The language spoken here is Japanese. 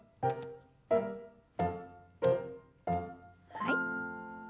はい。